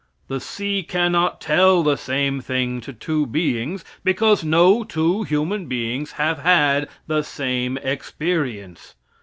The sea cannot tell the same thing to two beings, because no two human beings have had the same experience.